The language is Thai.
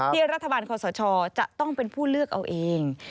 เพียงรัฐบาลความสดชอบจะต้องเป็นผู้เลือกเอาเอง